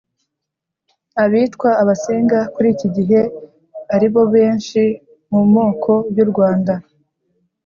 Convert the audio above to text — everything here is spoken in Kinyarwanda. abitwa abasinga kuri iki gihe ari bo benshi mu moko y'u rwanda